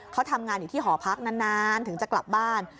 เขาทำงานอยู่ที่หอพักนานถึงจะกลับบ้าน